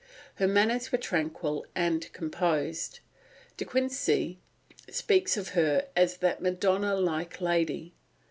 Her manners were tranquil and composed. De Quincey speaks of her as that "Madonna like lady."